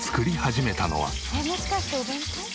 えっもしかしてお弁当？